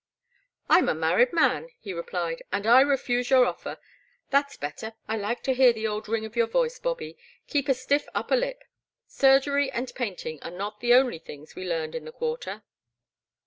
I *m a married man,'* he replied, and I refuse your offer; that *s better, I like to hear the old ring in your voice, Bobby — keep a stiff upper lip. Surgery and painting are not the only things we learned in the Quarter.